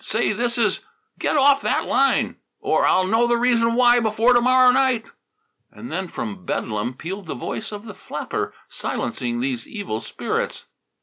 Say, this is " "Get off that line!" "Or I'll know the reason why before to morrow night!" And then from Bedlam pealed the voice of the flapper, silencing these evil spirits.